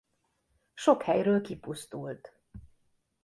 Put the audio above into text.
Sok helyről kipusztult.